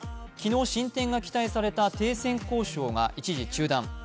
昨日進展が期待された停戦交渉が一時中断。